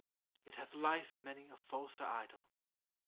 Yet hath life Many a falser idol.